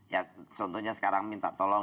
ya contohnya sekarang minta tolong